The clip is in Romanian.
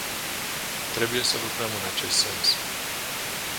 Trebuie să lucrăm în acest sens.